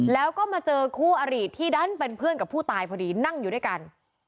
แล้วก็มาเจอคู่อริที่ดันเป็นเพื่อนกับผู้ตายพอดีนั่งอยู่ด้วยกัน